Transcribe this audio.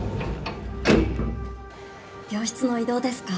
病室の移動ですか？